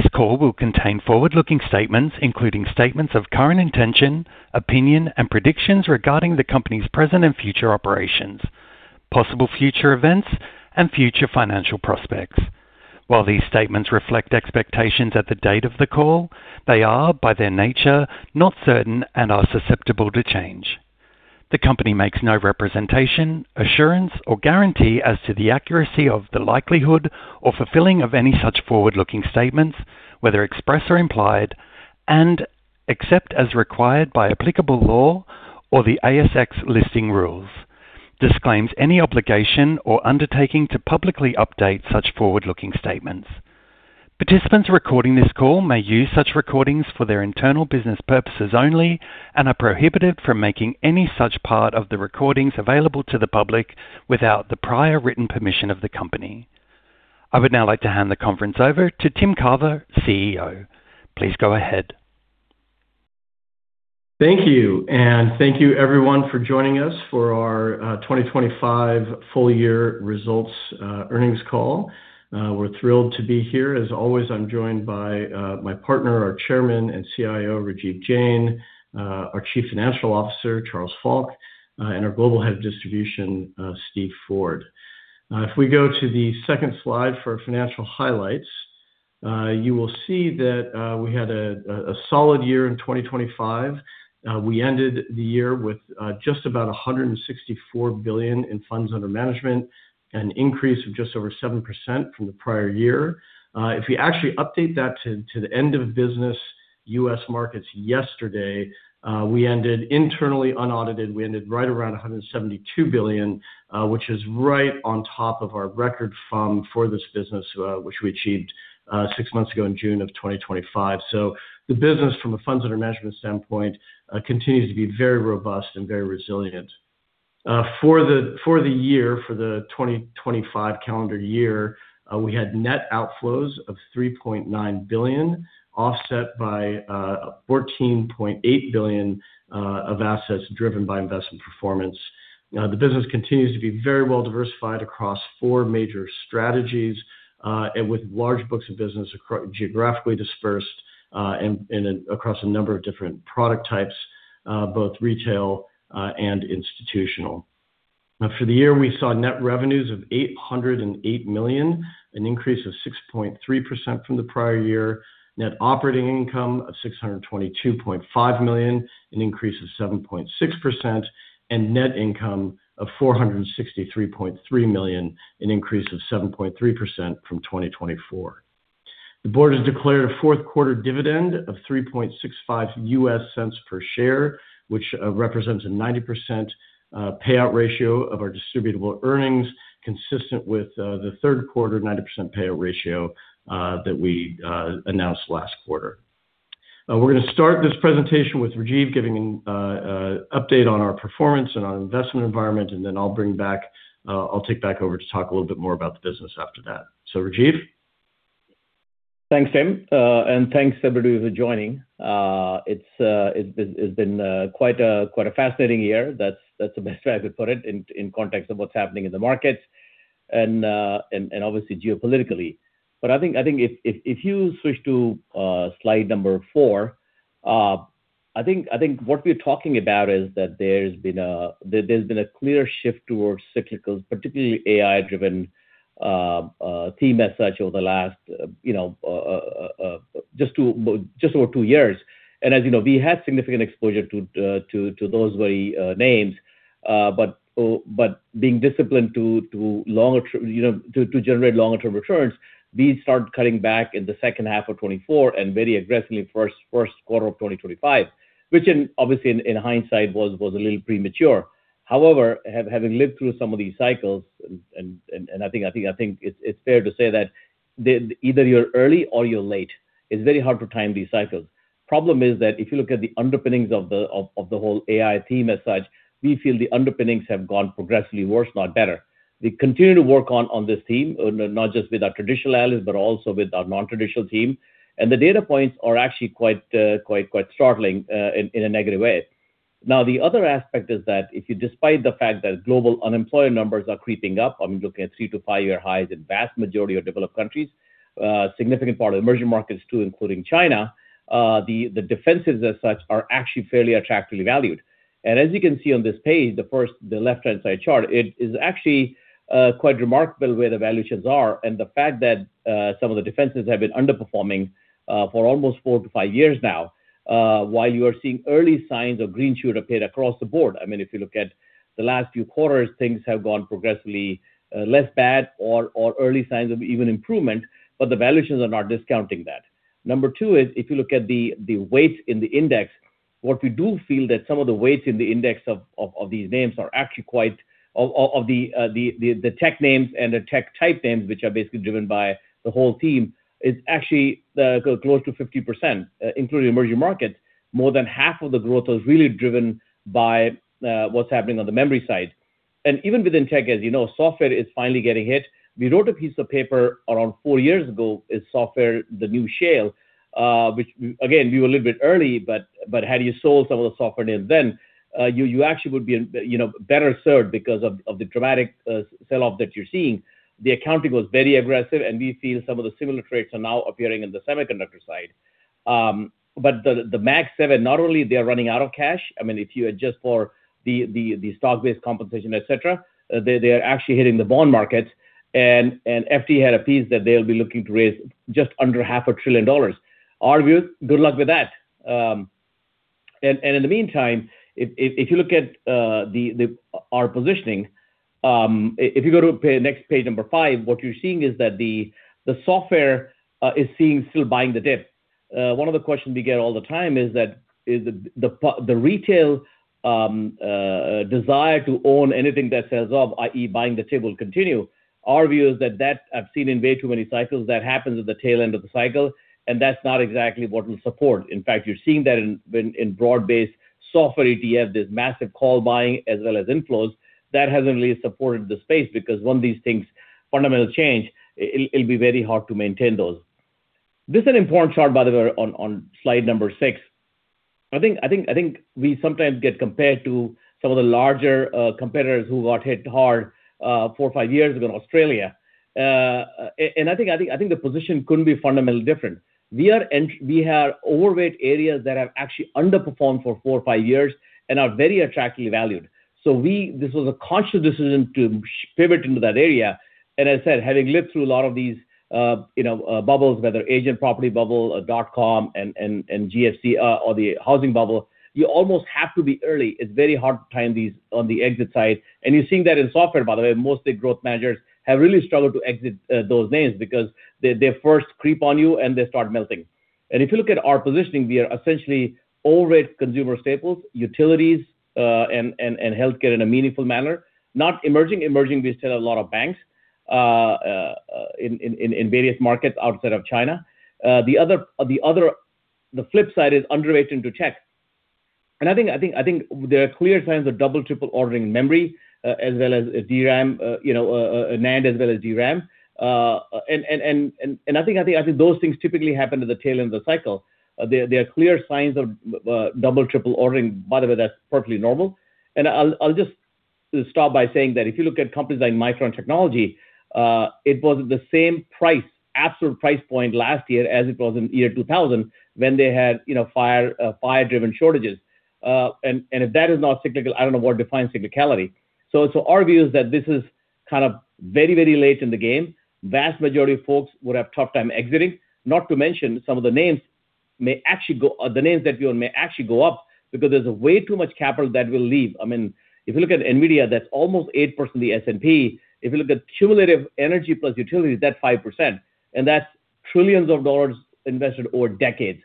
This call will contain forward-looking statements, including statements of current intention, opinion, and predictions regarding the company's present and future operations, possible future events, and future financial prospects. While these statements reflect expectations at the date of the call, they are, by their nature, not certain and are susceptible to change. The company makes no representation, assurance, or guarantee as to the accuracy of the likelihood or fulfilling of any such forward-looking statements, whether express or implied, and except as required by applicable law or the ASX listing rules, disclaims any obligation or undertaking to publicly update such forward-looking statements. Participants recording this call may use such recordings for their internal business purposes only and are prohibited from making any such part of the recordings available to the public without the prior written permission of the company. I would now like to hand the conference over to Tim Carver, CEO. Please go ahead. Thank you, and thank you everyone for joining us for our 2025 Full Year Results Earnings Call. We're thrilled to be here. As always, I'm joined by my partner, our Chairman and CIO, Rajiv Jain, our Chief Financial Officer, Charles Falck, and our Global Head of Distribution, Steve Ford. If we go to the second slide for financial highlights, you will see that we had a solid year in 2025. We ended the year with just about $164 billion in funds under management, an increase of just over 7% from the prior year. If you actually update that to the end of business, U.S. markets yesterday, we ended internally unaudited. We ended right around $172 billion, which is right on top of our record fund for this business, which we achieved six months ago in June of 2025. So the business from a funds under management standpoint continues to be very robust and very resilient. For the 2025 calendar year, we had net outflows of $3.9 billion, offset by $14.8 billion of assets driven by investment performance. Now, the business continues to be very well diversified across four major strategies, and with large books of business geographically dispersed, and across a number of different product types, both retail and institutional. Now, for the year, we saw net revenues of $808 million, an increase of 6.3% from the prior year. Net operating income of $622.5 million, an increase of 7.6%, and net income of $463.3 million, an increase of 7.3% from 2024. The board has declared a fourth quarter dividend of $0.0365 per share, which represents a 90% payout ratio of our distributable earnings, consistent with the third quarter 90% payout ratio that we announced last quarter. We're gonna start this presentation with Rajiv giving an update on our performance and our investment environment, and then I'll take back over to talk a little bit more about the business after that. So, Rajiv? Thanks, Tim. And thanks, everybody, for joining. It's been quite a fascinating year. That's the best way I could put it in context of what's happening in the market and obviously geopolitically. But I think if you switch to slide number four, I think what we're talking about is that there's been a clear shift towards cyclicals, particularly AI-driven theme as such over the last, you know, just over two years. And as you know, we had significant exposure to those very names. But being disciplined to longer-term, you know, to generate longer-term returns, we started cutting back in the second half of 2024 and very aggressively first quarter of 2025, which obviously in hindsight was a little premature. However, having lived through some of these cycles, and I think it's fair to say that the either you're early or you're late. It's very hard to time these cycles. Problem is that if you look at the underpinnings of the whole AI theme as such, we feel the underpinnings have gone progressively worse, not better. We continue to work on this theme, not just with our traditional allies, but also with our nontraditional team. The data points are actually quite quite quite startling in a negative way. Now, the other aspect is that if you despite the fact that global unemployment numbers are creeping up, I'm looking at three- to five-year highs in vast majority of developed countries, significant part of emerging markets too, including China. The defensives as such are actually fairly attractively valued. And as you can see on this page, the left-hand side chart, it is actually quite remarkable where the valuations are and the fact that some of the defensives have been underperforming for almost four to five years now while you are seeing early signs of green shoot appear across the board. I mean, if you look at the last few quarters, things have gone progressively less bad or early signs of even improvement, but the valuations are not discounting that. Number two is, if you look at the weights in the index, what we do feel that some of the weights in the index of these names are actually quite... Of the tech names and the tech type names, which are basically driven by the whole team, is actually close to 50%, including emerging markets. More than half of the growth was really driven by what's happening on the memory side. And even within tech, as you know, software is finally getting hit. We wrote a piece of paper around four years ago, Is Software the New Shale? Which we, again, we were a little bit early, but, but had you sold some of the software then, you, you actually would be in, you know, better served because of, of the dramatic, sell-off that you're seeing. The accounting was very aggressive, and we feel some of the similar traits are now appearing in the semiconductor side. But the Mag 7, not only they are running out of cash, I mean, if you adjust for the stock-based compensation, et cetera, they, they are actually hitting the bond market. And FT had a piece that they'll be looking to raise just under $500 billion. Our view, good luck with that. In the meantime, if you look at our positioning, if you go to next page number five, what you're seeing is that the software is seeing still buying the dip. One of the questions we get all the time is that the retail desire to own anything that says up, i.e., buying the dip, will continue. Our view is that that I've seen in way too many cycles, that happens at the tail end of the cycle, and that's not exactly what we support. In fact, you're seeing that in broad-based software ETF, there's massive call buying as well as inflows. That hasn't really supported the space, because when these things fundamentally change, it'll be very hard to maintain those. This is an important chart, by the way, on slide number 6. I think we sometimes get compared to some of the larger competitors who got hit hard four or five years ago in Australia. And I think the position couldn't be fundamentally different. We have overweight areas that have actually underperformed for four or five years and are very attractively valued. So this was a conscious decision to pivot into that area. And I said, having lived through a lot of these, you know, bubbles, whether Asian property bubble, or dot-com and GFC, or the housing bubble, you almost have to be early. It's very hard to time these on the exit side. And you're seeing that in software, by the way. Mostly growth managers have really struggled to exit those names because they first creep on you, and they start melting. And if you look at our positioning, we are essentially overweight consumer staples, utilities, and healthcare in a meaningful manner, not emerging. Emerging, we still have a lot of banks in various markets outside of China. The other, the flip side is underweight in tech. And I think there are clear signs of double, triple ordering memory, as well as DRAM, you know, NAND as well as DRAM. And I think those things typically happen at the tail end of the cycle. There are clear signs of double, triple ordering. By the way, that's perfectly normal. I'll just start by saying that if you look at companies like Micron Technology, it was the same price, absolute price point last year as it was in year 2000, when they had, you know, fire-driven shortages. And if that is not cyclical, I don't know what defines cyclicality. So our view is that this is kind of very, very late in the game. Vast majority of folks would have tough time exiting. Not to mention some of the names may actually go—the names that you own may actually go up because there's way too much capital that will leave. I mean, if you look at NVIDIA, that's almost 8% of the S&P. If you look at cumulative energy plus utilities, that's 5%, and that's trillions of dollars invested over decades.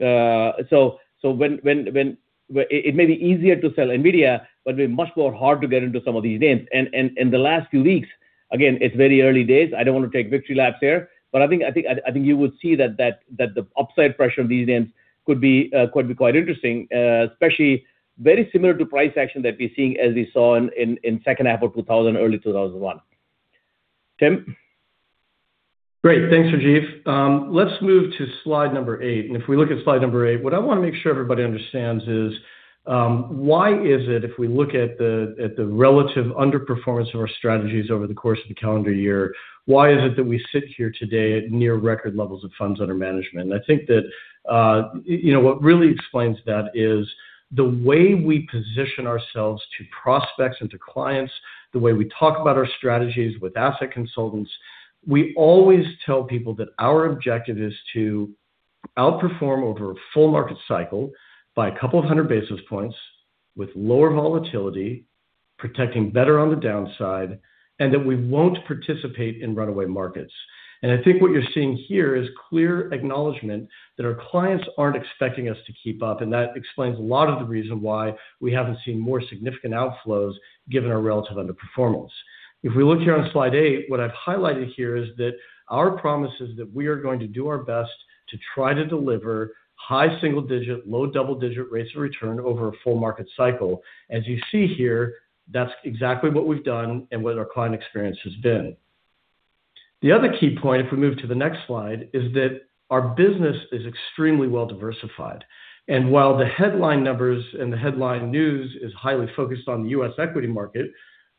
So when it may be easier to sell NVIDIA, but be much more hard to get into some of these names. And in the last few weeks, again, it's very early days. I don't want to take victory laps here, but I think you will see that the upside pressure of these names could be quite interesting, especially very similar to price action that we're seeing as we saw in second half of 2000, early 2001. Tim? Great. Thanks, Rajiv. Let's move to slide number 8. And if we look at slide number eight, what I want to make sure everybody understands is why is it if we look at the relative underperformance of our strategies over the course of the calendar year, why is it that we sit here today at near record levels of funds under management? And I think that, you know, what really explains that is the way we position ourselves to prospects and to clients, the way we talk about our strategies with asset consultants. We always tell people that our objective is to outperform over a full market cycle by a couple of hundred basis points, with lower volatility, protecting better on the downside, and that we won't participate in runaway markets. I think what you're seeing here is clear acknowledgment that our clients aren't expecting us to keep up, and that explains a lot of the reason why we haven't seen more significant outflows, given our relative underperformance. If we look here on slide eight, what I've highlighted here is that our promise is that we are going to do our best to try to deliver high single-digit, low double-digit rates of return over a full market cycle. As you see here, that's exactly what we've done and what our client experience has been. The other key point, if we move to the next slide, is that our business is extremely well-diversified. And while the headline numbers and the headline news is highly focused on the U.S. equity market,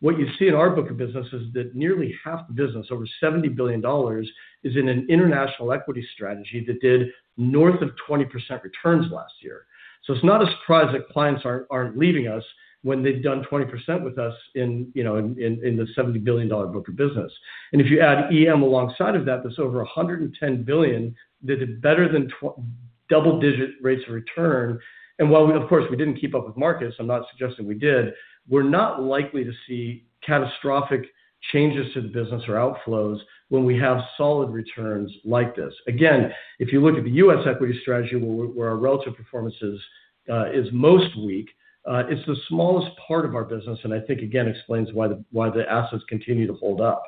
what you see in our book of business is that nearly half the business, over $70 billion, is in an international equity strategy that did north of 20% returns last year. So it's not a surprise that clients aren't leaving us when they've done 20% with us in, you know, in the $70 billion book of business. And if you add EM alongside of that, that's over $110 billion that did better than double digit rates of return. And while we, of course, didn't keep up with markets, I'm not suggesting we did, we're not likely to see catastrophic changes to the business or outflows when we have solid returns like this. Again, if you look at the U.S. equity strategy, where our relative performance is most weak, it's the smallest part of our business, and I think again, explains why the assets continue to hold up.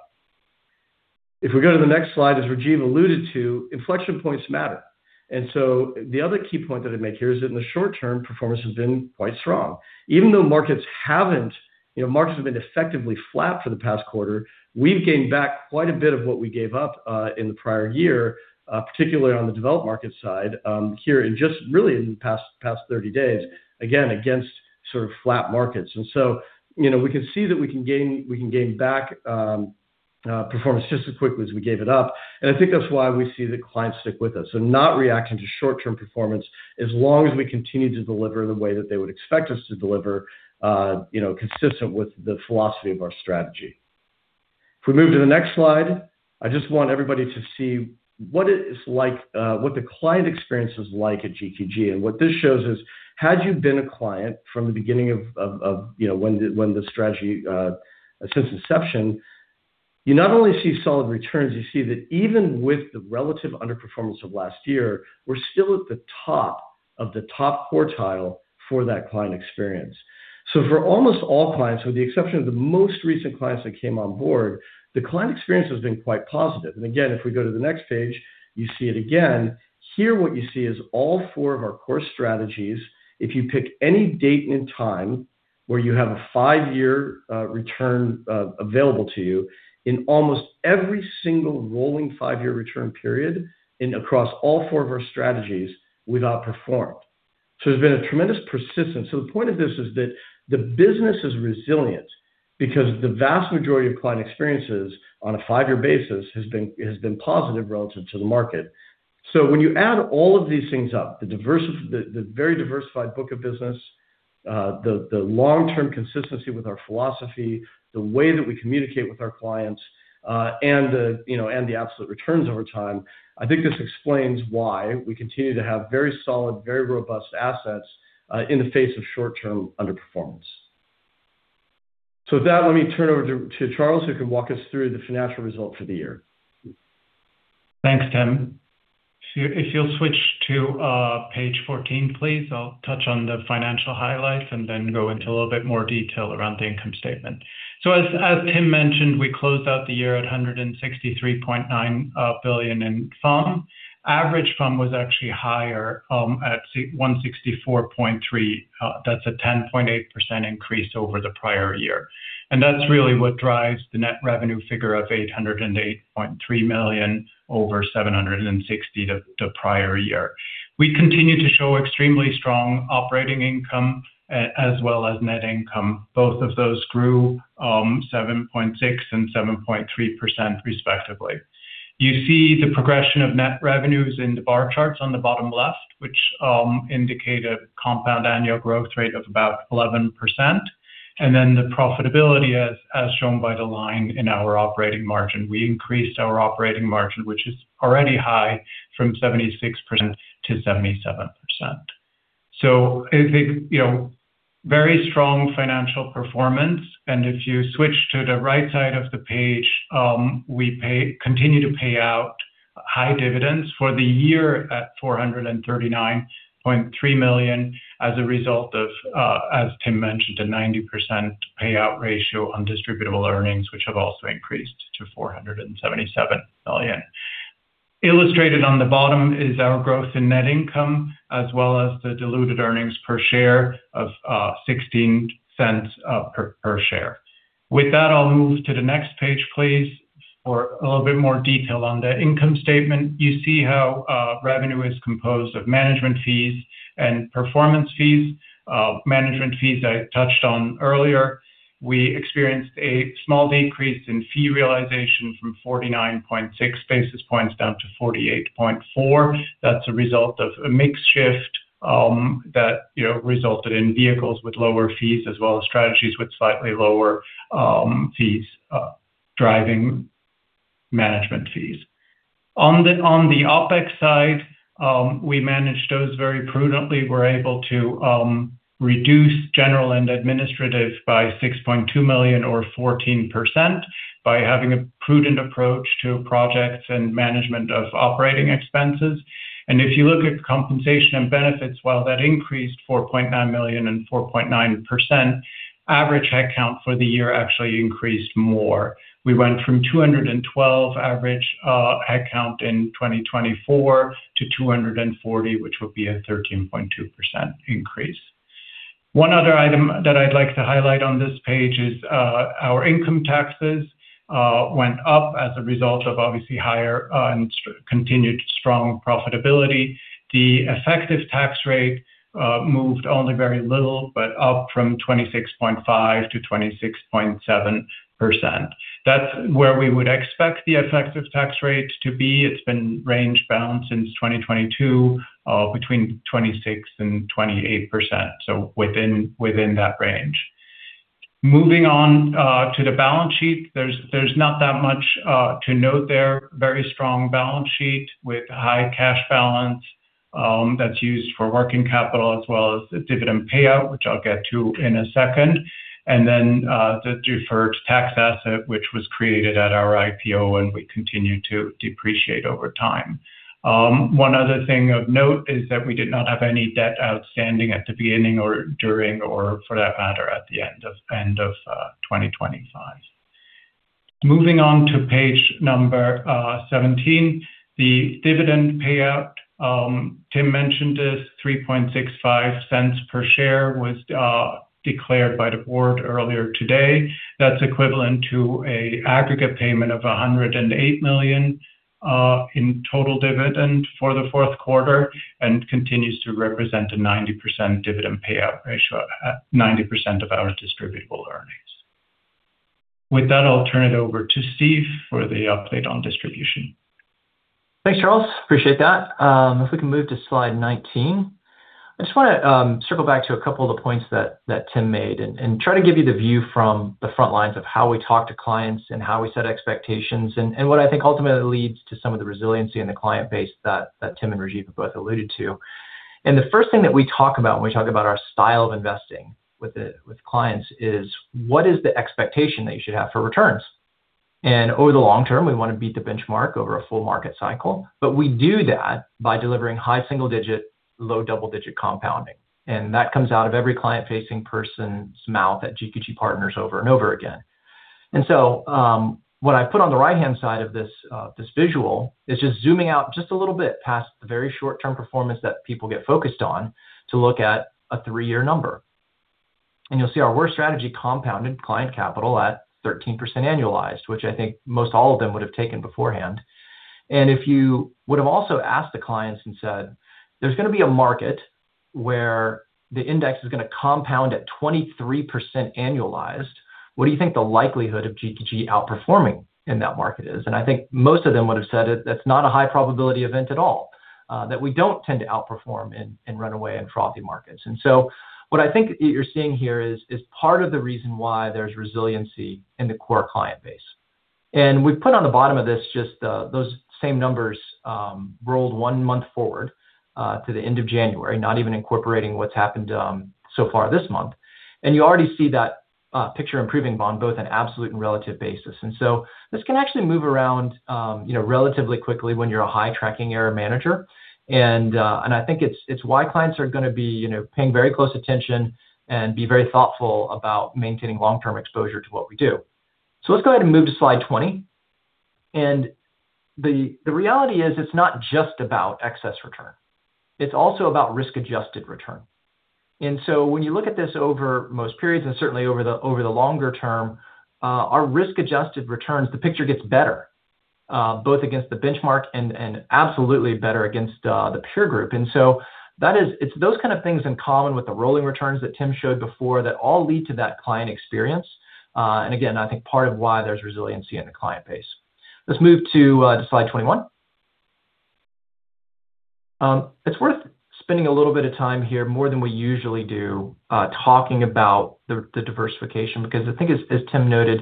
If we go to the next slide, as Rajiv alluded to, inflection points matter. So the other key point that I'd make here is that in the short term, performance has been quite strong. Even though markets haven't... You know, markets have been effectively flat for the past quarter, we've gained back quite a bit of what we gave up in the prior year, particularly on the developed market side, here in just really in the past 30 days, again, against sort of flat markets. So, you know, we can see that we can gain, we can gain back... Performance just as quickly as we gave it up. And I think that's why we see the clients stick with us. So not reacting to short-term performance, as long as we continue to deliver the way that they would expect us to deliver, you know, consistent with the philosophy of our strategy. If we move to the next slide, I just want everybody to see what it is like, what the client experience is like at GQG. And what this shows is, had you been a client from the beginning of you know when the strategy since inception, you not only see solid returns, you see that even with the relative underperformance of last year, we're still at the top of the top quartile for that client experience. So for almost all clients, with the exception of the most recent clients that came on board, the client experience has been quite positive. And again, if we go to the next page, you see it again. Here, what you see is all four of our core strategies. If you pick any date and time where you have a five-year return available to you, in almost every single rolling five-year return period, and across all four of our strategies, we've outperformed. So there's been a tremendous persistence. So the point of this is that the business is resilient because the vast majority of client experiences on a five-year basis has been, has been positive relative to the market. So when you add all of these things up, the very diversified book of business, the long-term consistency with our philosophy, the way that we communicate with our clients, and, you know, the absolute returns over time, I think this explains why we continue to have very solid, very robust assets in the face of short-term underperformance. So with that, let me turn over to Charles, who can walk us through the financial results for the year. Thanks, Tim. So if you'll switch to page 14, please, I'll touch on the financial highlights and then go into a little bit more detail around the income statement. So as Tim mentioned, we closed out the year at $163.9 billion in AUM. Average AUM was actually higher at $164.3 billion. That's a 10.8% increase over the prior year. And that's really what drives the net revenue figure of $808.3 million, over $760 million the prior year. We continue to show extremely strong operating income as well as net income. Both of those grew 7.6% and 7.3%, respectively. You see the progression of net revenues in the bar charts on the bottom left, which indicate a compound annual growth rate of about 11%. Then the profitability, as shown by the line in our operating margin. We increased our operating margin, which is already high, from 76%-77%. So, you know, very strong financial performance. If you switch to the right side of the page, we continue to pay out high dividends for the year at $439.3 million, as a result of, as Tim mentioned, a 90% payout ratio on distributable earnings, which have also increased to $477 million. Illustrated on the bottom is our growth in net income, as well as the diluted earnings per share of $0.16 per share. With that, I'll move to the next page, please, for a little bit more detail on the income statement. You see how revenue is composed of management fees and performance fees. Management fees I touched on earlier. We experienced a small decrease in fee realization from 49.6 basis points down to 48.4. That's a result of a mix shift that, you know, resulted in vehicles with lower fees, as well as strategies with slightly lower fees driving management fees. On the OpEx side, we managed those very prudently. We're able to reduce general and administrative by $6.2 million or 14% by having a prudent approach to projects and management of operating expenses. If you look at compensation and benefits, while that increased $4.9 million and 4.9%, average headcount for the year actually increased more. We went from 212 average headcount in 2024 to 240, which would be a 13.2% increase. One other item that I'd like to highlight on this page is our income taxes went up as a result of obviously higher and continued strong profitability. The effective tax rate moved only very little, but up from 26.5%-26.7%. That's where we would expect the effective tax rate to be. It's been range-bound since 2022 between 26% and 28%, so within that range. Moving on to the balance sheet. There's not that much to note there. Very strong balance sheet with high cash balance, that's used for working capital as well as the dividend payout, which I'll get to in a second. The deferred tax asset, which was created at our IPO, and we continue to depreciate over time. One other thing of note is that we did not have any debt outstanding at the beginning or during or, for that matter, at the end of 2025. Moving on to page number 17, the dividend payout, Tim mentioned this, 0.0365 per share was declared by the board earlier today. That's equivalent to an aggregate payment of 108 million in total dividend for the fourth quarter and continues to represent a 90% dividend payout ratio at 90% of our distributable earnings. With that, I'll turn it over to Steve for the update on distribution. Thanks, Charles. Appreciate that. If we can move to slide 19. I just wanna circle back to a couple of the points that, that Tim made, and, and try to give you the view from the front lines of how we talk to clients, and how we set expectations, and, and what I think ultimately leads to some of the resiliency in the client base that, that Tim and Rajiv both alluded to. And the first thing that we talk about when we talk about our style of investing with the, with clients, is what is the expectation that you should have for returns? And over the long term, we wanna beat the benchmark over a full market cycle, but we do that by delivering high single digit, low double-digit compounding. And that comes out of every client-facing person's mouth at GQG Partners over and over again. And so, what I put on the right-hand side of this, this visual, is just zooming out just a little bit past the very short-term performance that people get focused on, to look at a three-year number. And you'll see our worst strategy compounded client capital at 13% annualized, which I think most all of them would have taken beforehand. And if you would have also asked the clients and said, "There's gonna be a market where the index is gonna compound at 23% annualized, what do you think the likelihood of GQG outperforming in that market is?" And I think most of them would have said it, that's not a high probability event at all, that we don't tend to outperform in runaway and frothy markets. And so what I think you're seeing here is part of the reason why there's resiliency in the core client base. And we've put on the bottom of this, just those same numbers rolled one month forward to the end of January, not even incorporating what's happened so far this month. And you already see that picture improving on both an absolute and relative basis. And so this can actually move around, you know, relatively quickly when you're a high tracking error manager. And I think it's why clients are gonna be, you know, paying very close attention, and be very thoughtful about maintaining long-term exposure to what we do. So let's go ahead and move to slide 20. And the reality is, it's not just about excess return, it's also about risk-adjusted return. And so when you look at this over most periods, and certainly over the longer term, our risk-adjusted returns, the picture gets better, both against the benchmark and absolutely better against the peer group. And so that is, it's those kind of things in common with the rolling returns that Tim showed before, that all lead to that client experience. And again, I think part of why there's resiliency in the client base. Let's move to slide 21. It's worth spending a little bit of time here, more than we usually do, talking about the diversification, because I think, as Tim noted,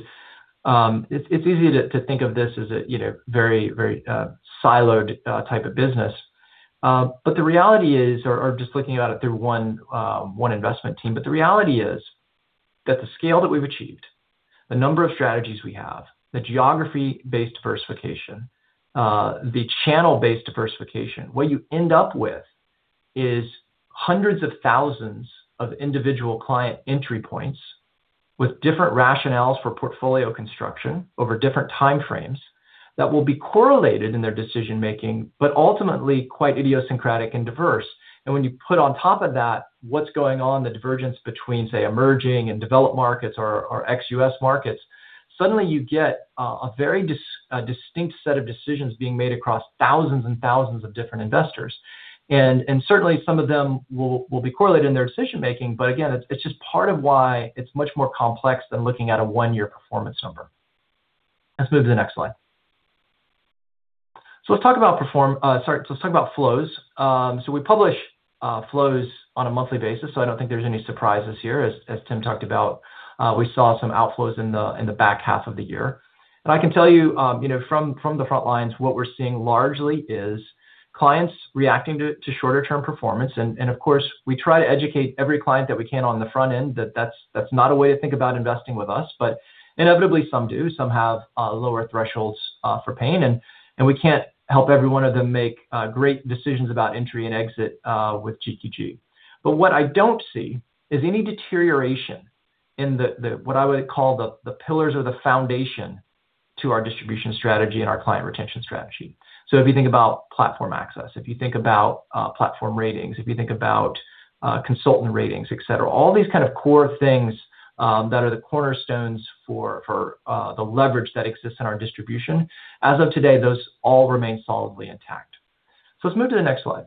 it's easy to think of this as a, you know, very, very siloed type of business. But the reality is... Or just looking at it through one investment team. But the reality is that the scale that we've achieved, the number of strategies we have, the geography-based diversification, the channel-based diversification, what you end up with is hundreds of thousands of individual client entry points with different rationales for portfolio construction over different time frames, that will be correlated in their decision-making, but ultimately quite idiosyncratic and diverse. And when you put on top of that, what's going on, the divergence between, say, emerging and developed markets or ex-U.S. markets, suddenly you get a very distinct set of decisions being made across thousands and thousands of different investors. And certainly some of them will be correlated in their decision making, but again, it's just part of why it's much more complex than looking at a one-year performance number. Let's move to the next slide. So let's talk about flows. So we publish flows on a monthly basis, so I don't think there's any surprises here. As Tim talked about, we saw some outflows in the back half of the year. And I can tell you, you know, from the front lines, what we're seeing largely is clients reacting to shorter term performance. And of course, we try to educate every client that we can on the front end, that that's not a way to think about investing with us. But inevitably, some do. Some have lower thresholds for pain, and we can't help every one of them make great decisions about entry and exit with GQG. But what I don't see is any deterioration in the what I would call the pillars of the foundation to our distribution strategy and our client retention strategy. So if you think about platform access, if you think about platform ratings, if you think about consultant ratings, et cetera, all these kind of core things that are the cornerstones for the leverage that exists in our distribution. As of today, those all remain solidly intact. So let's move to the next slide.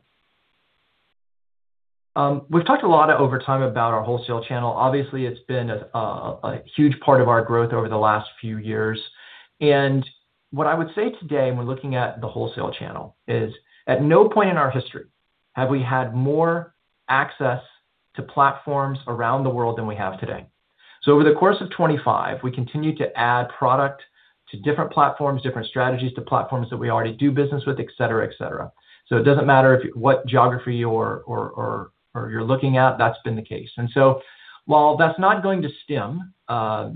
We've talked a lot over time about our wholesale channel. Obviously, it's been a huge part of our growth over the last few years. And what I would say today when looking at the wholesale channel is, at no point in our history have we had more access to platforms around the world than we have today. So over the course of 25, we continued to add product to different platforms, different strategies, to platforms that we already do business with, et cetera, et cetera. So it doesn't matter if what geography or you're looking at, that's been the case. And so while that's not going to stem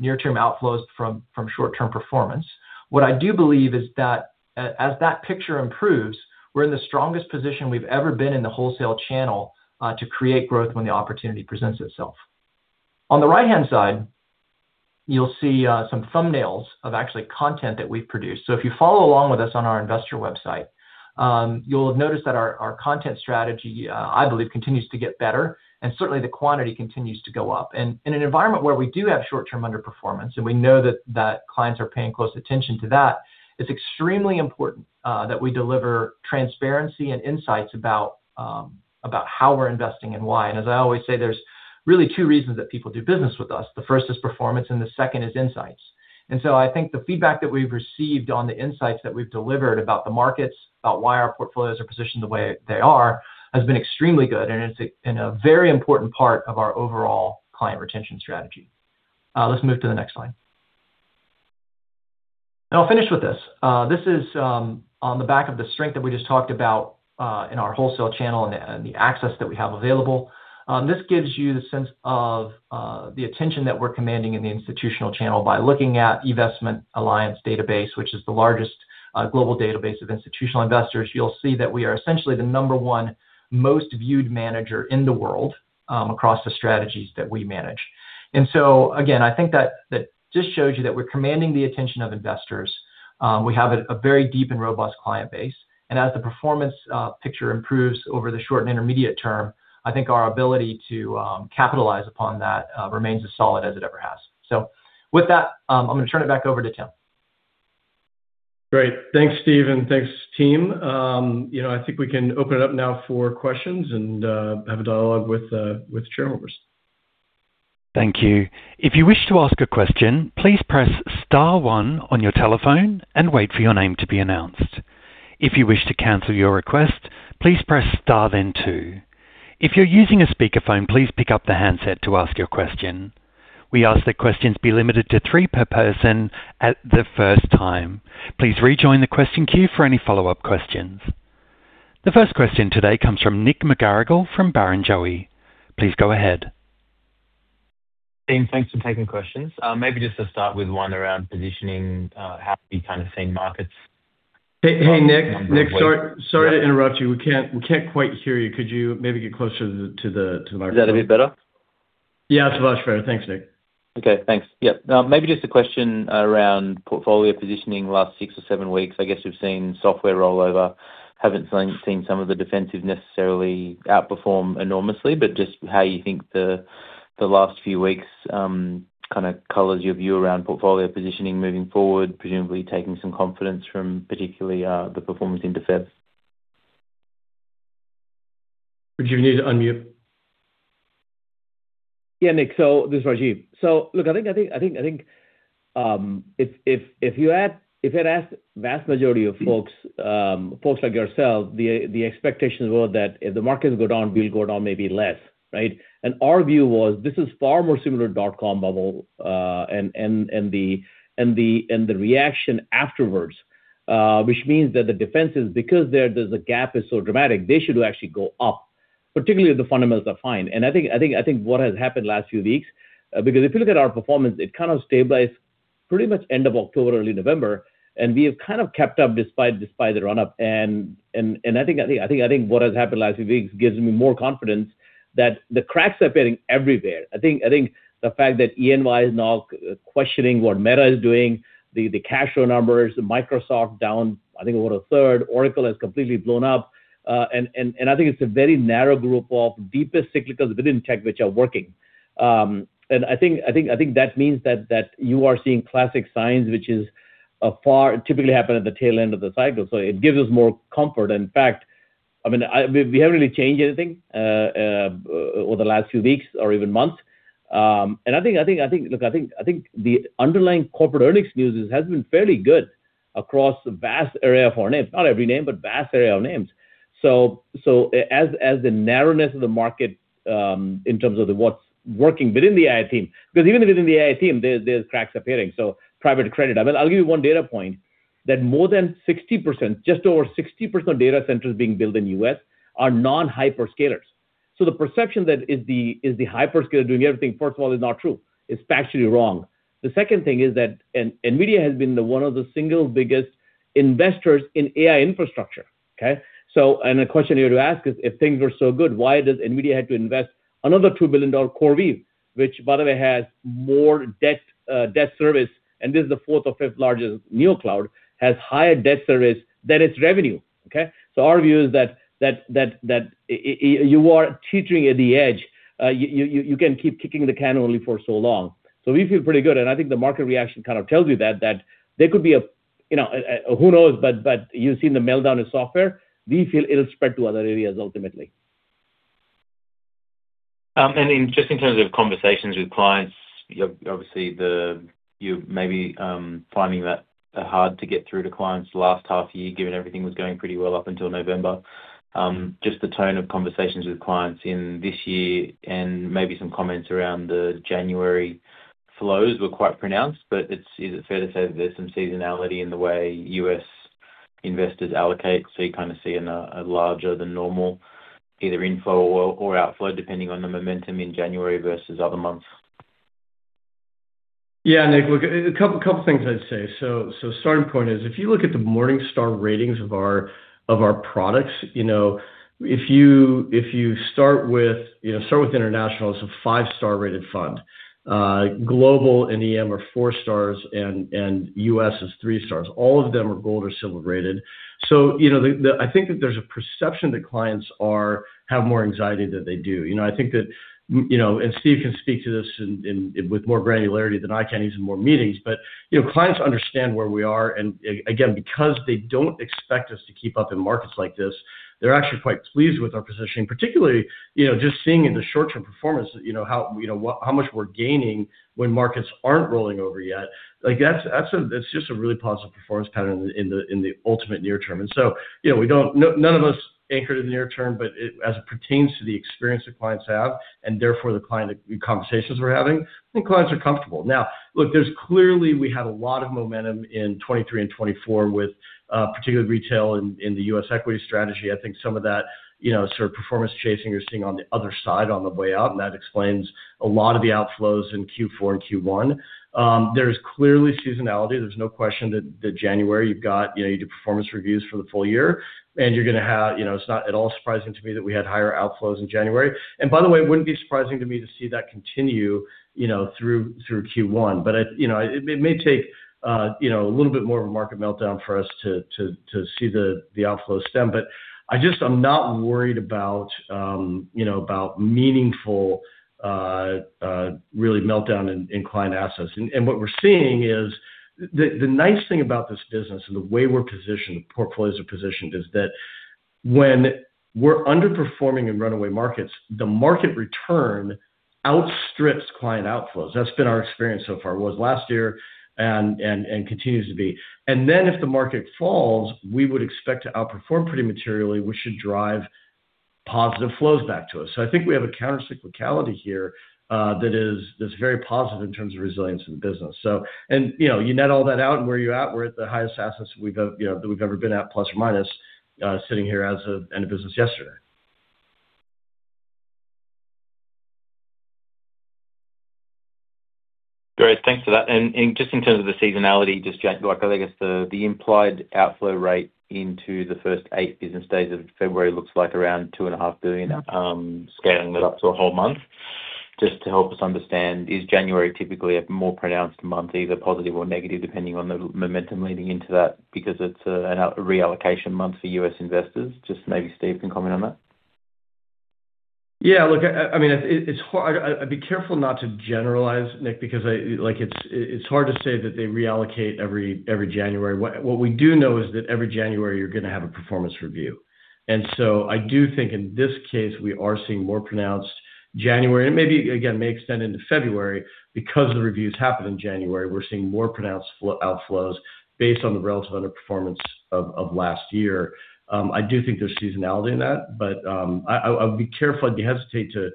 near-term outflows from short-term performance, what I do believe is that as that picture improves, we're in the strongest position we've ever been in the wholesale channel to create growth when the opportunity presents itself. On the right-hand side, you'll see some thumbnails of actually content that we've produced. So if you follow along with us on our investor website, you'll notice that our content strategy, I believe, continues to get better, and certainly the quantity continues to go up. In an environment where we do have short-term underperformance, and we know that clients are paying close attention to that, it's extremely important that we deliver transparency and insights about about how we're investing and why. And as I always say, there's really two reasons that people do business with us. The first is performance, and the second is insights... And so I think the feedback that we've received on the insights that we've delivered about the markets, about why our portfolios are positioned the way they are, has been extremely good, and it's been a very important part of our overall client retention strategy. Let's move to the next slide. And I'll finish with this. This is on the back of the strength that we just talked about in our wholesale channel and the access that we have available. This gives you the sense of the attention that we're commanding in the institutional channel by looking at eVestment database, which is the largest global database of institutional investors. You'll see that we are essentially the number one most viewed manager in the world across the strategies that we manage. And so, again, I think that just shows you that we're commanding the attention of investors. We have a very deep and robust client base, and as the performance picture improves over the short and intermediate term, I think our ability to capitalize upon that remains as solid as it ever has. So with that, I'm gonna turn it back over to Tim. Great. Thanks, Steve, and thanks, team. You know, I think we can open it up now for questions and have a dialogue with the chair members. Thank you. If you wish to ask a question, please press star one on your telephone and wait for your name to be announced. If you wish to cancel your request, please press star then two. If you're using a speakerphone, please pick up the handset to ask your question. We ask that questions be limited to three per person at the first time. Please rejoin the question queue for any follow-up questions. The first question today comes from Nick McGarrigle from Barrenjoey. Please go ahead. Steve, thanks for taking questions. Maybe just to start with one around positioning, how have you kind of seen markets? Hey, hey, Nick. Nick, sorry to interrupt you. We can't, we can't quite hear you. Could you maybe get closer to the microphone? Is that a bit better? Yeah, it's much better. Thanks, Nick. Okay, thanks. Yep. Maybe just a question around portfolio positioning the last six or seven weeks. I guess you've seen software rollover, haven't seen some of the defensiveness necessarily outperform enormously, but just how you think the last few weeks kind of colors your view around portfolio positioning moving forward, presumably taking some confidence from particularly the performance in defense. Rajiv, you need to unmute. Yeah, Nick, so this is Rajiv. So look, I think if you'd asked the vast majority of folks, folks like yourself, the expectations were that if the markets go down, we'll go down maybe less, right? And our view was this is far more similar to dot-com bubble and the reaction afterwards, which means that the defense is because there's a gap is so dramatic, they should actually go up, particularly if the fundamentals are fine. And I think what has happened last few weeks, because if you look at our performance, it kind of stabilized pretty much end of October, early November, and we have kind of kept up despite the run-up. I think what has happened the last few weeks gives me more confidence that the cracks are appearing everywhere. I think the fact that EY is now questioning what Meta is doing, the cash flow numbers, Microsoft down, I think, over a third. Oracle has completely blown up. I think it's a very narrow group of deepest cyclicals within tech, which are working. I think that means that you are seeing classic signs, which is what typically happen at the tail end of the cycle, so it gives us more comfort. In fact, I mean, we haven't really changed anything over the last few weeks or even months. And I think, look, I think the underlying corporate earnings news has been fairly good across a vast area of our names, not every name, but vast area of names. So, as the narrowness of the market, in terms of what's working within the AI team, because even within the AI team, there's cracks appearing. So private credit. I mean, I'll give you one data point, that more than 60%, just over 60% of data centers being built in U.S. are non-hyperscalers. So the perception that is the, is the hyperscaler doing everything, first of all, is not true. It's factually wrong. The second thing is that, and NVIDIA has been the one of the single biggest investors in AI infrastructure, okay? The question you're to ask is: If things are so good, why does NVIDIA have to invest another $2 billion CoreWeave, which by the way, has more debt, debt service, and this is the fourth or fifth largest new cloud, has higher debt service than its revenue, okay? So our view is that you are teetering at the edge. You can keep kicking the can only for so long. So we feel pretty good, and I think the market reaction kind of tells you that there could be a, you know, who knows? But you've seen the meltdown of software. We feel it'll spread to other areas ultimately. And in just terms of conversations with clients, obviously the... You may be finding that hard to get through to clients the last half year, given everything was going pretty well up until November. Just the tone of conversations with clients in this year and maybe some comments around the January flows were quite pronounced, but is it fair to say that there's some seasonality in the way U.S. investors allocate, so you kind of see a larger than normal, either inflow or outflow, depending on the momentum in January versus other months? Yeah, Nick, look, a couple, couple things I'd say. So, so starting point is, if you look at the Morningstar ratings of our, of our products, you know, if you, if you start with, you know, start with international, it's a five-star rated fund. Global and EM are four stars, and, and U.S. is three stars. All of them are gold or silver rated. So, you know, the-- I think that there's a perception that clients are, have more anxiety than they do. You know, I think that, you know, and Steve can speak to this in, with more granularity than I can, he's in more meetings. But, you know, clients understand where we are, and again, because they don't expect us to keep up in markets like this, they're actually quite pleased with our positioning. Particularly, you know, just seeing in the short-term performance, you know, how much we're gaining when markets aren't rolling over yet. Like, that's just a really positive performance pattern in the ultimate near term. And so, you know, we don't, none of us anchor to the near term, but it, as it pertains to the experience that clients have, and therefore the client conversations we're having, I think clients are comfortable. Now, look, there's clearly we had a lot of momentum in 2023 and 2024 with particularly retail in the U.S. equity strategy. I think some of that, you know, sort of performance chasing you're seeing on the other side on the way out, and that explains a lot of the outflows in Q4 and Q1. There's clearly seasonality. There's no question that January you've got, you know, you do performance reviews for the full year, and you're gonna have. You know, it's not at all surprising to me that we had higher outflows in January. And by the way, it wouldn't be surprising to me to see that continue, you know, through Q1. But you know, it may take, you know, a little bit more of a market meltdown for us to see the outflows stem. But I'm not worried about, you know, about meaningful really meltdown in client assets. And what we're seeing is. The nice thing about this business and the way we're positioned, the portfolios are positioned, is that when we're underperforming in runaway markets, the market return outstrips client outflows. That's been our experience so far, was last year and continues to be. And then if the market falls, we would expect to outperform pretty materially, which should drive positive flows back to us. So I think we have a countercyclicality here, that is, that's very positive in terms of resilience in the business. So, and, you know, you net all that out, and where are you at? We're at the highest assets we've ever, you know, that we've ever been at, plus or minus, sitting here as of end of business yesterday. Great. Thanks for that. And just in terms of the seasonality, just Jan- like, I guess the, the implied outflow rate into the first eight business days of February looks like around $2.5 billion, scaling it up to a whole month. Just to help us understand, is January typically a more pronounced month, either positive or negative, depending on the momentum leading into that because it's a, an out-reallocation month for U.S. investors? Just maybe Steve can comment on that. Yeah, look, I mean, it's hard. I'd be careful not to generalize, Nick, because, like, it's hard to say that they reallocate every January. What we do know is that every January you're gonna have a performance review. And so I do think in this case, we are seeing more pronounced January, and maybe, again, may extend into February. Because the reviews happened in January, we're seeing more pronounced outflows based on the relative underperformance of last year. I do think there's seasonality in that, but I would be careful. I'd hesitate to,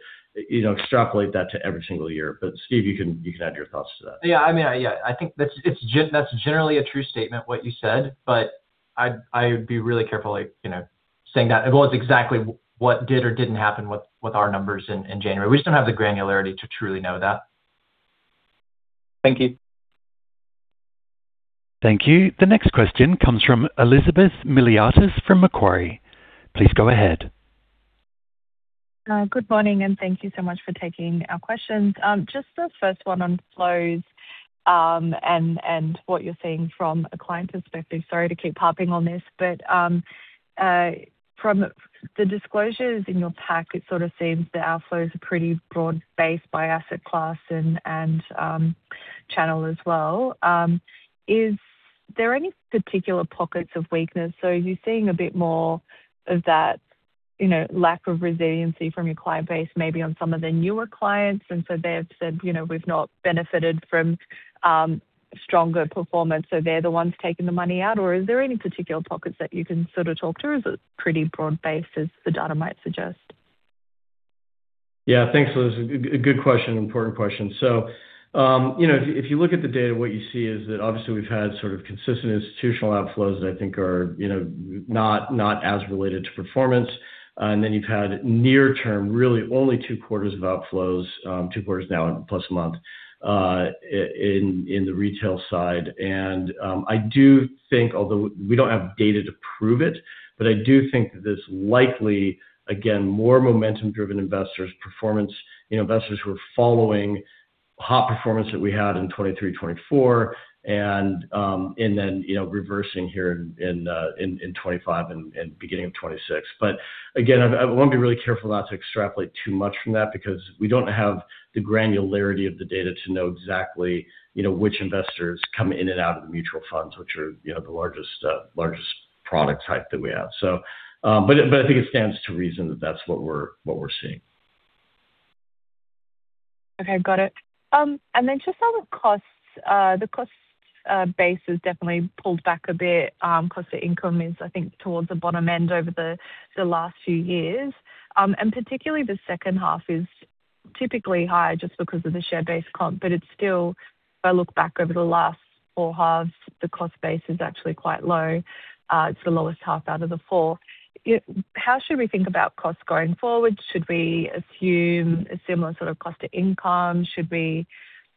you know, extrapolate that to every single year. But Steve, you can add your thoughts to that. Yeah, I mean, yeah, I think that's generally a true statement, what you said, but I'd be really careful, like, you know, saying that, as well as exactly what did or didn't happen with our numbers in January. We just don't have the granularity to truly know that. Thank you. Thank you. The next question comes from Elizabeth Miliatis from Macquarie. Please go ahead. Good morning, and thank you so much for taking our questions. Just the first one on flows, and what you're seeing from a client perspective. Sorry to keep harping on this, but from the disclosures in your pack, it sort of seems the outflows are pretty broad-based by asset class and channel as well. Is there any particular pockets of weakness? So are you seeing a bit more of that, you know, lack of resiliency from your client base, maybe on some of the newer clients, and so they've said, you know, we've not benefited from stronger performance, so they're the ones taking the money out? Or is there any particular pockets that you can sort of talk to, or is it pretty broad based, as the data might suggest? Yeah. Thanks, Elizabeth. A good question, important question. So, you know, if, if you look at the data, what you see is that obviously we've had sort of consistent institutional outflows that I think are, you know, not, not as related to performance. And then you've had near term, really only two quarters of outflows, two quarters now plus a month, in the retail side. I do think, although we don't have data to prove it, but I do think that there's likely, again, more momentum-driven investors' performance, you know, investors who are following hot performance that we had in 2023, 2024, and then, you know, reversing here in 2025 and beginning of 2026. But again, I wanna be really careful not to extrapolate too much from that because we don't have the granularity of the data to know exactly, you know, which investors come in and out of the mutual funds, which are, you know, the largest product type that we have. So, but I think it stands to reason that that's what we're seeing. Okay, got it. And then just on the costs, the cost base has definitely pulled back a bit. Cost to income is, I think, towards the bottom end over the last few years. And particularly the second half is typically high just because of the share-based comp. But it's still, if I look back over the last four halves, the cost base is actually quite low. It's the lowest half out of the four. How should we think about costs going forward? Should we assume a similar sort of cost to income? Should we,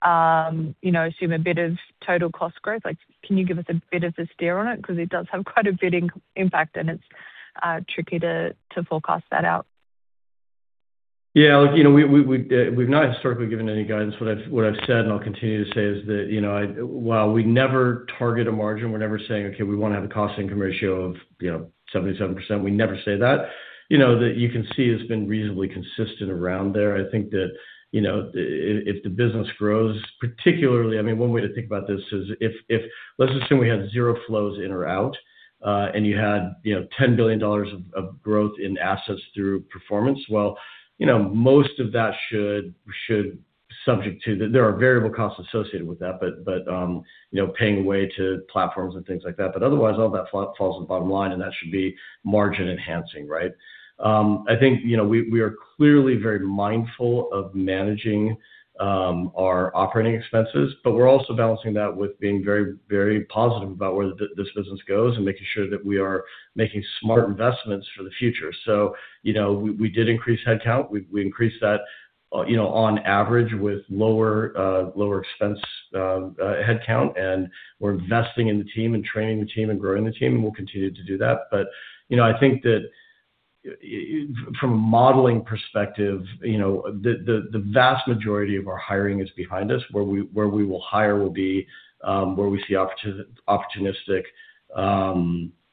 you know, assume a bit of total cost growth? Like, can you give us a bit of a steer on it? Because it does have quite a big impact, and it's tricky to forecast that out. Yeah, look, you know, we've not historically given any guidance. What I've said, and I'll continue to say, is that, you know, while we never target a margin, we're never saying, "Okay, we want to have a cost income ratio of, you know, 77%." We never say that. You know, that you can see it's been reasonably consistent around there. I think that, you know, if the business grows, particularly, I mean, one way to think about this is if let's assume we had zero flows in or out, and you had, you know, $10 billion of growth in assets through performance, well, you know, most of that should subject to... There are variable costs associated with that, but you know, paying way to platforms and things like that. But otherwise, all that falls on the bottom line, and that should be margin enhancing, right? I think, you know, we are clearly very mindful of managing our operating expenses, but we're also balancing that with being very, very positive about where this business goes and making sure that we are making smart investments for the future. So, you know, we did increase headcount. We increased that, you know, on average with lower lower expense headcount, and we're investing in the team and training the team and growing the team, and we'll continue to do that. But, you know, I think that from a modeling perspective, you know, the vast majority of our hiring is behind us. Where we will hire will be where we see opportunistic,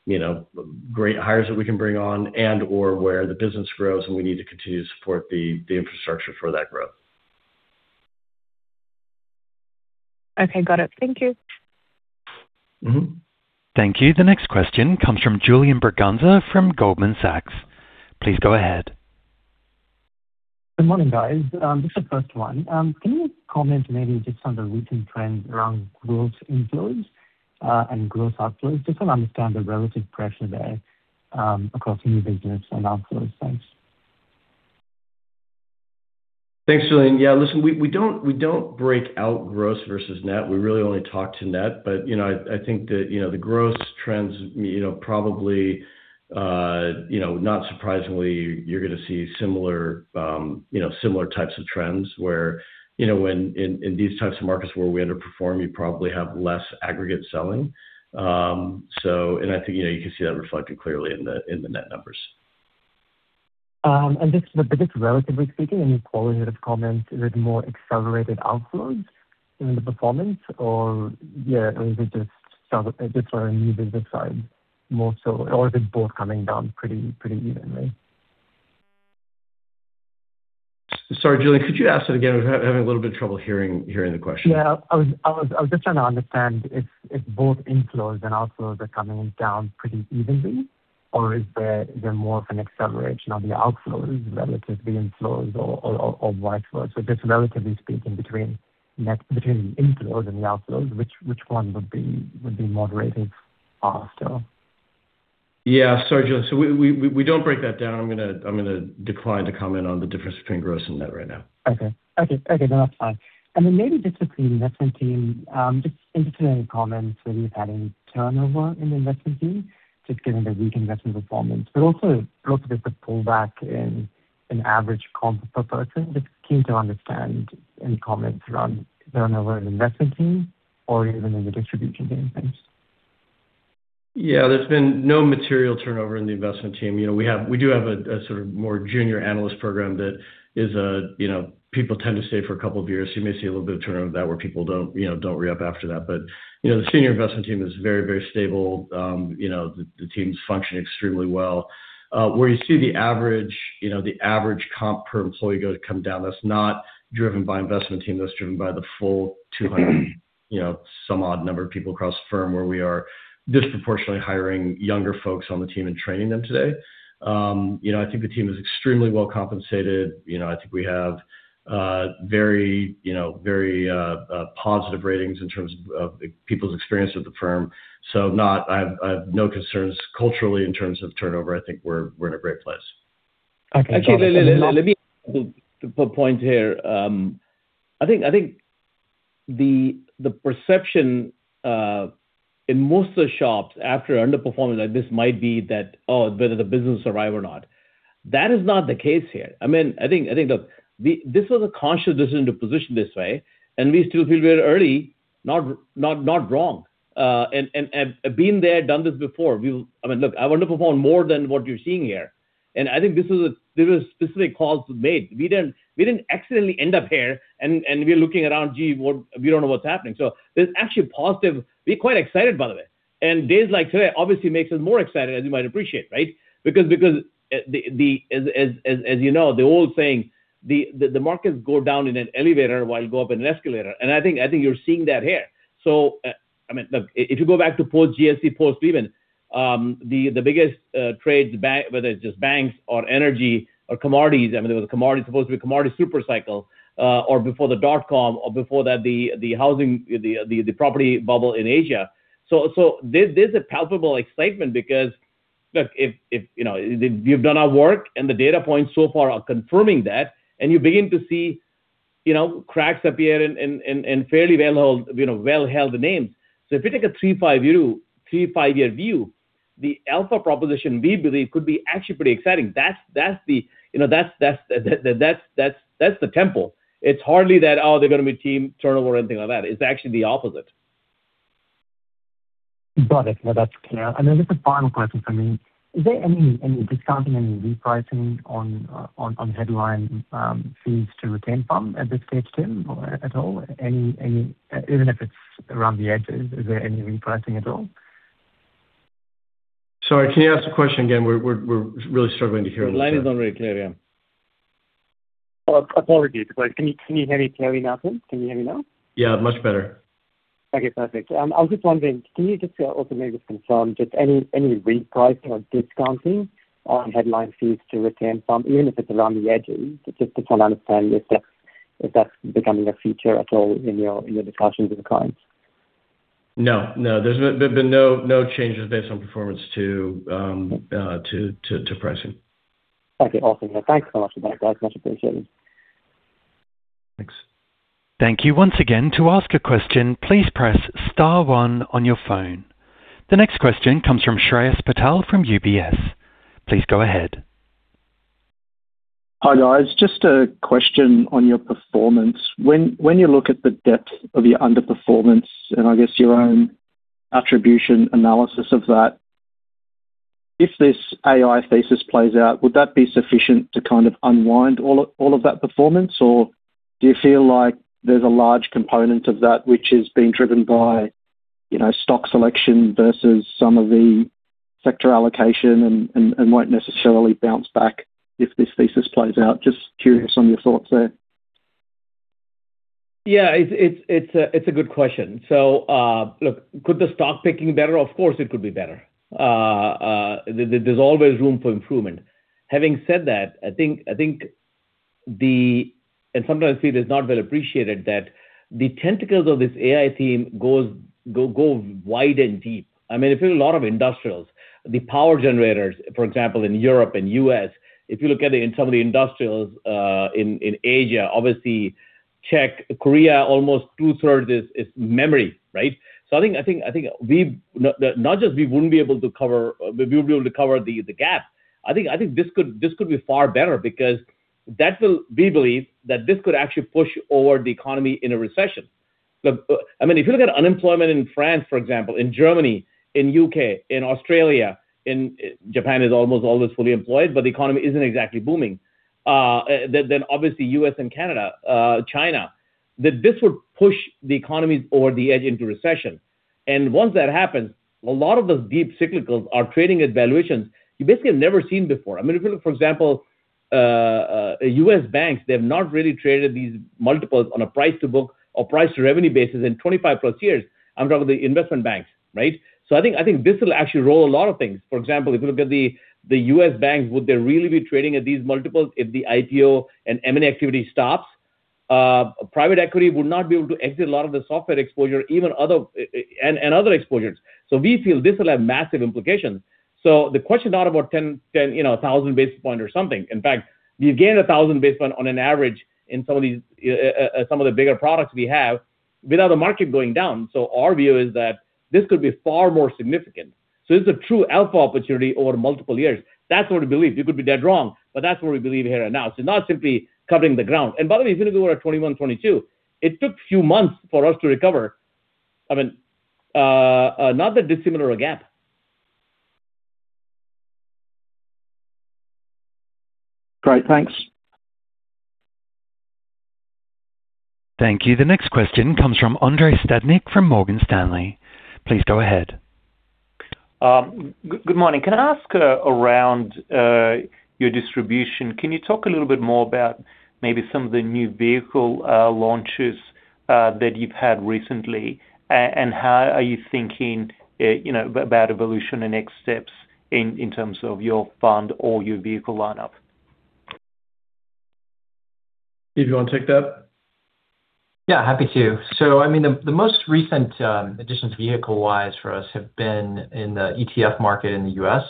you know, great hires that we can bring on and/or where the business grows, and we need to continue to support the infrastructure for that growth. Okay, got it. Thank you. Mm-hmm. Thank you. The next question comes from Julian Braganza from Goldman Sachs. Please go ahead. Good morning, guys. Just the first one. Can you comment maybe just on the recent trends around growth inflows, and growth outflows, just to understand the relative pressure there, across new business and outflows? Thanks. Thanks, Julian. Yeah, listen, we don't break out gross versus net. We really only talk to net. But, you know, I think that, you know, the gross trends, you know, probably, you know, not surprisingly, you're gonna see similar, you know, similar types of trends where, you know, when in these types of markets where we underperform, you probably have less aggregate selling. So, and I think, you know, you can see that reflected clearly in the net numbers. And just, but just relatively speaking, any qualitative comments? Is it more accelerated outflows in the performance or, yeah, is it just sort of a new business side more so, or is it both coming down pretty evenly? Sorry, Julian, could you ask that again? I'm having a little bit of trouble hearing the question. Yeah. I was just trying to understand if both inflows and outflows are coming down pretty evenly, or is there more of an acceleration on the outflows relative to the inflows or outflows? So just relatively speaking, between the inflows and the outflows, which one would be moderating faster? Yeah. Sorry, Julian. So we don't break that down. I'm gonna decline to comment on the difference between gross and net right now. Okay. Okay, okay, no, that's fine. And then maybe just between the investment team, just interested in any comments, whether you've had any turnover in the investment team, just given the weak investment performance, but also roughly the pullback in average comp per person. Just keen to understand any comments around turnover in the investment team or even in the distribution team. Thanks. Yeah, there's been no material turnover in the investment team. You know, we have a sort of more junior analyst program that is, you know, people tend to stay for a couple of years. You may see a little bit of turnover that, where people don't, you know, don't re-up after that. But, you know, the senior investment team is very, very stable. You know, the team's functioning extremely well. Where you see the average, you know, the average comp per employee come down, that's not driven by investment team, that's driven by the full 200, you know, some odd number of people across the firm where we are disproportionately hiring younger folks on the team and training them today. You know, I think the team is extremely well compensated. You know, I think we have very, you know, very positive ratings in terms of people's experience with the firm. So not... I have no concerns culturally in terms of turnover. I think we're in a great place. Okay. Actually, let me put a point here. I think the perception in most of the shops after underperforming like this might be that, oh, whether the business survive or not, that is not the case here. I mean, I think, look, this was a conscious decision to position this way, and we still feel we are early, not, not, not wrong. And been there, done this before. We... I mean, look, I want to perform more than what you're seeing here, and I think this is a specific call to make. We didn't accidentally end up here, and we're looking around, gee, what, we don't know what's happening. So this is actually positive. We're quite excited about it. And days like today obviously makes us more excited, as you might appreciate, right? Because, as you know, the old saying, the markets go down in an elevator while you go up in an escalator, and I think you're seeing that here. So, I mean, look, if you go back to post GFC, post Sovereign, the biggest trades bank, whether it's just banks or energy or commodities, I mean, there was a commodity, supposed to be a commodity super cycle, or before the dot-com or before that, the housing, the property bubble in Asia. So there's a palpable excitement because... Look, if you know, if we've done our work, and the data points so far are confirming that, and you begin to see, you know, cracks appear in fairly well-held, you know, well-held names. So if you take a three to five view, three to five year view, the alpha proposition, we believe, could be actually pretty exciting. That's, you know, that's the temple. It's hardly that, oh, they're gonna be team turnover or anything like that. It's actually the opposite. Got it. No, that's clear. Then just a final question for me. Is there any, any discounting, any repricing on, on, on headline fees to retain fund at this stage, Tim, at all? Any, any... Even if it's around the edges, is there any repricing at all? Sorry, can you ask the question again? We're really struggling to hear you. The line is not very clear, yeah. Oh, apologies. But can you, can you hear me clearly now, Tim? Can you hear me now? Yeah, much better. Okay, perfect. I was just wondering, can you just also maybe confirm just any repricing or discounting on headline fees to retain fund, even if it's around the edges, just to kind of understand if that's becoming a feature at all in your discussions with clients? No. No, there've been no changes based on performance to pricing. Okay, awesome. Yeah, thanks so much for that, guys. Much appreciated. Thanks. Thank you once again. To ask a question, please press star one on your phone. The next question comes from Shreyas Patel from UBS. Please go ahead. Hi, guys. Just a question on your performance. When you look at the depth of your underperformance, and I guess your own attribution analysis of that, if this AI thesis plays out, would that be sufficient to kind of unwind all of that performance? Or do you feel like there's a large component of that which is being driven by, you know, stock selection versus some of the sector allocation and won't necessarily bounce back if this thesis plays out? Just curious on your thoughts there. Yeah, it's a good question. So, look, could the stock picking be better? Of course, it could be better. There's always room for improvement. Having said that, I think the... And sometimes it is not well appreciated, that the tentacles of this AI theme go wide and deep. I mean, if you look a lot of industrials, the power generators, for example, in Europe and U.S., if you look at it in some of the industrials in Asia, obviously check Korea, almost 2/3 is memory, right? So I think we would be able to cover the gap. I think this could be far better because that will, we believe, that this could actually push over the economy in a recession. Look, I mean, if you look at unemployment in France, for example, in Germany, in U.K., in Australia, in Japan is almost always fully employed, but the economy isn't exactly booming. Then obviously U.S. and Canada, China, that this would push the economies over the edge into recession. And once that happens, a lot of those deep cyclicals are trading at valuations you basically have never seen before. I mean, if you look, for example, U.S. banks, they have not really traded these multiples on a price to book or price to revenue basis in 25+ years. I'm talking about the investment banks, right? So I think this will actually roll a lot of things. For example, if you look at the U.S. banks, would they really be trading at these multiples if the IPO and M&A activity stops? Private equity would not be able to exit a lot of the software exposure, even other and other exposures. So we feel this will have massive implications. So the question is not about 10, 10, you know, 1,000 basis point or something. In fact, we've gained 1,000 basis point on an average in some of these, some of the bigger products we have without the market going down. So our view is that this could be far more significant. So this is a true alpha opportunity over multiple years. That's what we believe. We could be dead wrong, but that's what we believe here and now. So not simply covering the ground. And by the way, even if we were at 21, 22, it took few months for us to recover. I mean, not that dissimilar a gap. Great, thanks. Thank you. The next question comes from Andrei Stadnik, from Morgan Stanley. Please go ahead. Good morning. Can I ask around your distribution, can you talk a little bit more about maybe some of the new vehicle launches that you've had recently? And how are you thinking, you know, about evolution and next steps in terms of your fund or your vehicle lineup? Steve, you wanna take that? Yeah, happy to. So, I mean, the most recent additions vehicle-wise for us have been in the ETF market in the U.S.,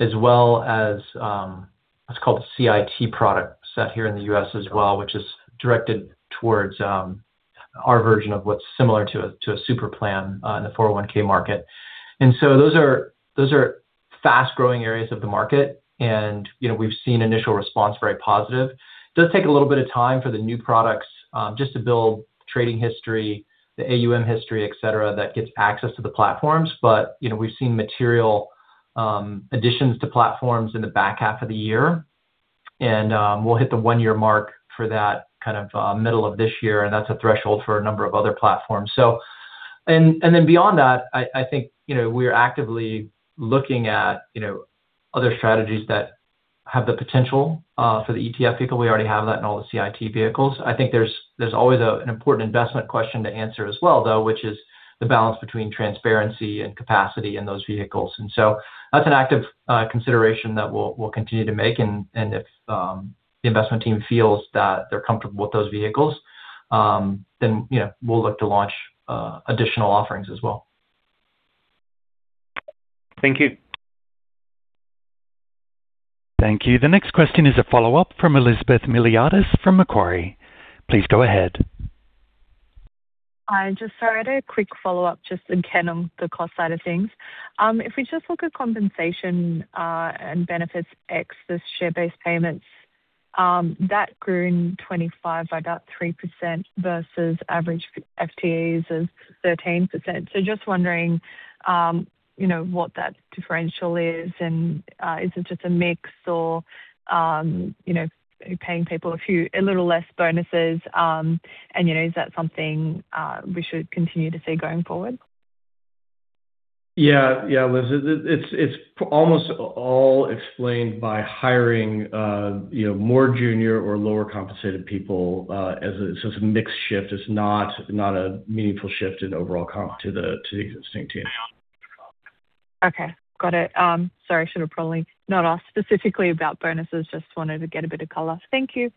as well as what's called the CIT product set here in the U.S. as well, which is directed towards our version of what's similar to a super plan in the 401(k) market. And so those are fast-growing areas of the market, and, you know, we've seen initial response very positive. Does take a little bit of time for the new products just to build trading history, the AUM history, et cetera, that gets access to the platforms. But, you know, we've seen material additions to platforms in the back half of the year. And we'll hit the one-year mark for that kind of middle of this year, and that's a threshold for a number of other platforms. And then beyond that, I think, you know, we're actively looking at, you know, other strategies that have the potential for the ETF vehicle. We already have that in all the CIT vehicles. I think there's always an important investment question to answer as well, though, which is the balance between transparency and capacity in those vehicles. And so that's an active consideration that we'll continue to make. And if the investment team feels that they're comfortable with those vehicles, then, you know, we'll look to launch additional offerings as well. Thank you. Thank you. The next question is a follow-up from Elizabeth Miliatis from Macquarie. Please go ahead. Hi, just sorry, a quick follow-up, just again, on the cost side of things. If we just look at compensation and benefits ex the share-based payments, that grew in 2025 by about 3% versus average FTEs of 13%. So just wondering, you know, what that differential is, and is it just a mix or, you know, paying people a few, a little less bonuses? And, you know, is that something we should continue to see going forward? Yeah. Yeah, Liz, it's almost all explained by hiring, you know, more junior or lower compensated people. So it's a mixed shift. It's not a meaningful shift in overall comp to the existing team. Okay, got it. Sorry, I should have probably not asked specifically about bonuses. Just wanted to get a bit of color. Thank you.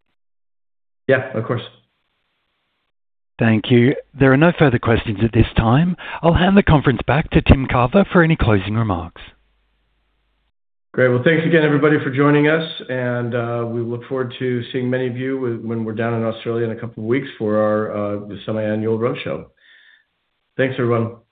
Yeah, of course. Thank you. There are no further questions at this time. I'll hand the conference back to Tim Carver for any closing remarks. Great. Well, thanks again, everybody, for joining us, and we look forward to seeing many of you when we're down in Australia in a couple of weeks for our, the semiannual roadshow. Thanks, everyone. Goodbye.